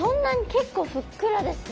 結構ふっくらですね。